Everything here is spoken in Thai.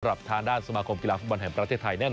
การท้านด้านสถานการณ์สมาคมกีฬากฟุตบอลแห่งประเทศไทย